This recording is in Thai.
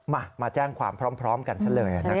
มามาแจ้งความพร้อมกันซะเลยนะครับ